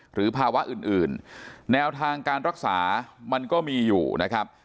หรือภาวะอื่นแนวทางการรักษามันก็มีอยู่นะครับ